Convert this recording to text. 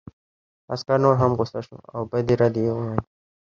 عسکر نور هم غوسه شو او بدې ردې یې وویلې